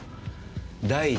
第一